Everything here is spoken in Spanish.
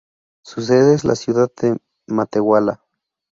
Su sede es la ciudad de Matehuala.